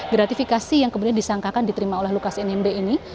gratifikasi yang kemudian disangkakan diterima oleh lukas nmb ini